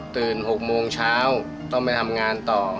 ๖โมงเช้าต้องไปทำงานต่อ